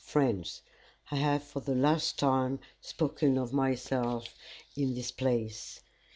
Friends, I have for the last time spoken of myself in this place.